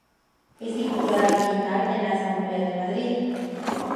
Es diputada regional en la Asamblea de Madrid.